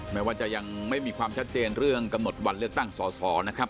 แม้ว่าจะยังไม่มีความชัดเจนเรื่องกำหนดวันเลือกตั้งสอสอนะครับ